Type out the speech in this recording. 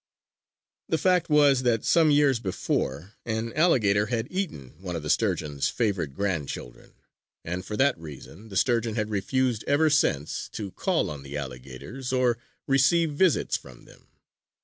The fact was that some years before an alligator had eaten one of the Sturgeon's favorite grandchildren; and for that reason the Sturgeon had refused ever since to call on the alligators or receive visits from them.